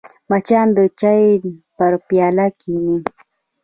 مچان د چای پر پیاله کښېني